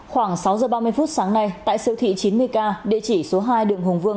khoảng sáu giờ ba mươi phút sáng nay tại siêu thị chín mươi k địa chỉ số hai đường hùng vương